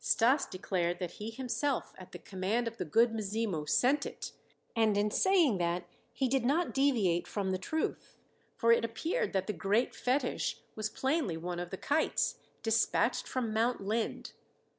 Stas declared that he himself at the command of the "Good Mzimu" sent it, and in saying that he did not deviate from the truth, for it appeared that the "great fetish" was plainly one of the kites, despatched from Mount Linde.